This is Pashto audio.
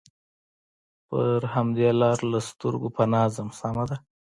پر همدې لاره له سترګو پناه ځم، سمه ده.